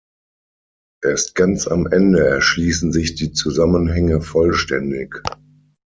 Erst ganz am Ende erschließen sich die Zusammenhänge vollständig.